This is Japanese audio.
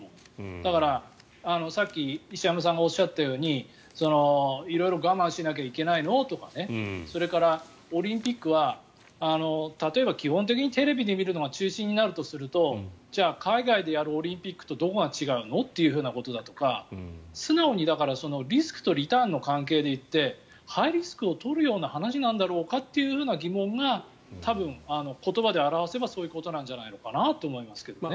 だから、さっき石山さんがおっしゃったように色々我慢しなきゃいけないのとかそれからオリンピックは例えば基本的にテレビで見るのが中止になるとするとじゃあ、海外でやるオリンピックとどこが違うの？ということだとか素直にリスクとリターンの関係で言ってハイリスクを取るような話なんだろうかという疑問が多分言葉で表せばそういうことなんじゃないのかなと思いますけどね。